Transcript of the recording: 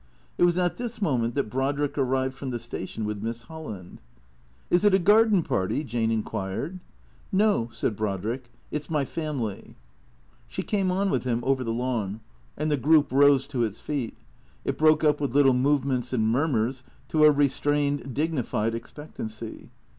It was at this moment that Brodrick arrived from the station with Miss Holland. " Is it a garden party ?" Jane inquired. " No," said Brodrick, " it 's my family." She came on with him over the lawn. And the group rose to its feet; it broke up with little movements and murmurs, in a restrained, dignified expectancy.